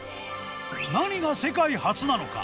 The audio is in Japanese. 何が世界初なのか。